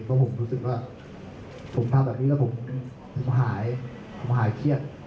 เพราะผมรู้สึกว่าผมทำแบบนี้แล้วผมหายผมหายเครียด